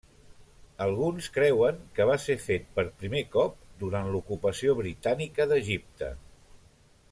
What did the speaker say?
Alguns creuen que va ser fet per primer cop durant l'ocupació britànica d'Egipte.